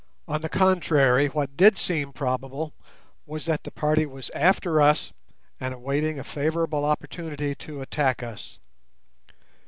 On the contrary, what did seem probable was that the party was after us and awaiting a favourable opportunity to attack us.